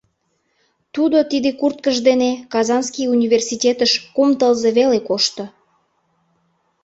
Тудо тиде курткыж дене Казанский университетыш кум тылзе веле кошто.